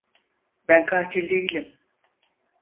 Ben katil değilim.